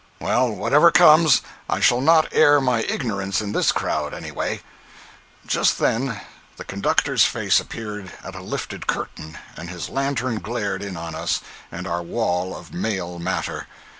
Well, whatever comes, I shall not air my ignorance in this crowd, anyway." Just then the conductor's face appeared at a lifted curtain, and his lantern glared in on us and our wall of mail matter.